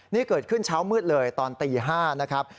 นี่เกิดขึ้นเช้ามืดเลยตอนตี๕นะครับ